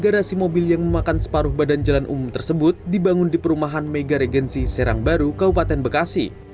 di kabupaten bekasi